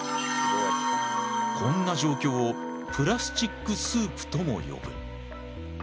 こんな状況をプラスチックスープとも呼ぶ。